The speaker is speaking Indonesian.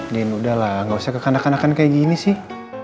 din udah lah gak usah kekan akan akan kayak gini sih